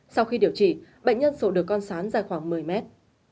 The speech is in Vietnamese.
sau khi điều trị bệnh nhân sộ được con sán dài khoảng một mươi mét